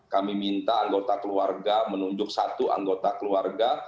kami minta anggota keluarga menunjuk satu anggota keluarga